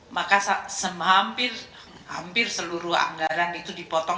maka hampir seluruh anggaran itu dipotong